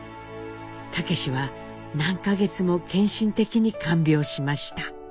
武は何か月も献身的に看病しました。